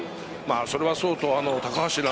それはそうと、高橋藍